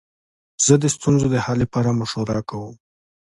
زه د ستونزو د حل لپاره مشوره کوم.